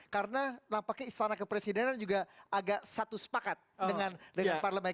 karena nampaknya istana kepresidenan juga agak satu sepakat dengan parlemen